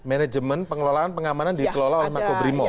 manajemen pengelolaan pengamanan dikelola oleh makobrimo